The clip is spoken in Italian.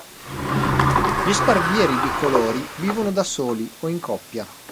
Gli sparvieri bicolori vivono da soli o in coppia.